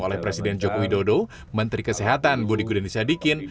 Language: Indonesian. oleh presiden jokowi dodo menteri kesehatan budi gudanisadikin